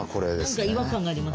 何か違和感があります。